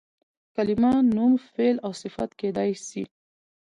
کلیمه نوم، فعل او صفت کېدای سي.